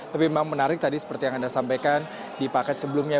tapi memang menarik tadi seperti yang anda sampaikan di paket sebelumnya